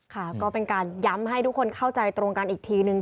ค่ะก็เป็นการย้ำให้ทุกคนเข้าใจตรงกันอีกทีนึง